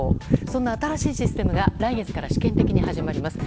そんな新しいシステムが来月から試験的に始まります。